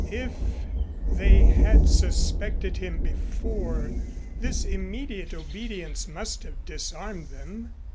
If they had suspected him before, this immediate obedience must have disarmed them.